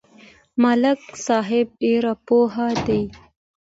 ملک صاحب ډېر پوه دی.